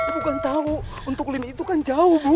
bukan tahu untuk klinik itu kan jauh bu